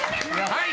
はい。